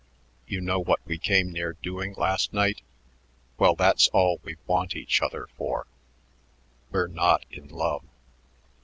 You know what we came near doing last night? Well, that's all we want each other for. We're not in love."